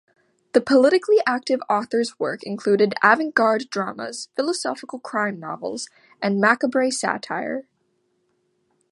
The politically active author's work included avant-garde dramas, philosophical crime novels, and macabre satire.